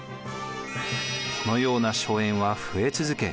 このような荘園は増え続け